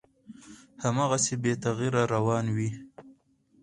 هماغسې بې تغییره روان وي،